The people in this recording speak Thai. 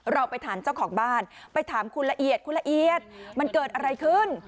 เราไปถามเจ้าของบ้านไปถามคุณละเอียดคุณละเอียดมันเกิดอะไรขึ้น